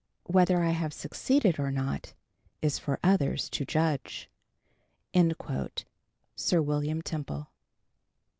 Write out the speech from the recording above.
Whether I have succeeded or not, is for others to judge." Sir William Temple.